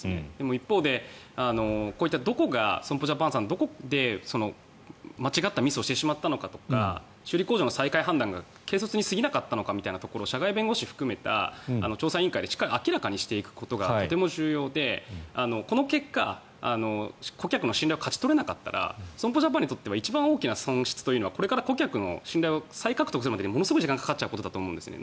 一方で、損保ジャパンさんがどこで間違ったミスをしてしまったのかとか修理工場の再開判断が軽率に過ぎなかったのかとか社外弁護士含めた調査委員会で明らかにしていくことがとても重要でこの結果、顧客の信頼を勝ち取れなかったら損保ジャパンにとっては一番大きな損失はこれから顧客の信頼を再獲得するまでにものすごい時間がかかることだと思うんですね。